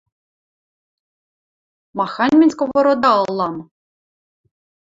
– Махань мӹнь сковорода ылам?